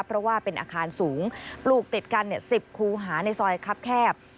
เพราะว่าเป็นอาคารสูงปลูกติดกัน๑๐คูหาในซอยครับแคบ